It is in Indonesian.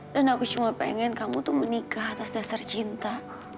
dan aku cuma pengen kamu tuh menikah atas dasar cinta